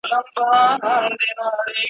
تا له تخم څخه جوړکړله تارونه ,